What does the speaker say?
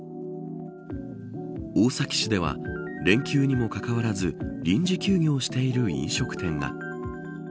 大崎市では、連休にもかかわらず臨時休業している飲食店が。